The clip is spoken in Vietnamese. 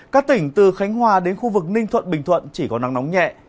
các tỉnh từ khánh hòa đến khu vực ninh thuận bình thuận chỉ có nắng nóng nhẹ